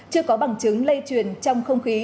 chưa có bằng chứng lây truyền trong không khí